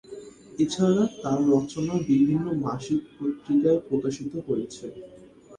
এছাড়া তার রচনা বিভিন্ন মাসিক পত্রিকায় প্রকাশিত হয়েছে।